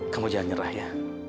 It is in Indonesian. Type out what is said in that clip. kamu jangan nyerah ya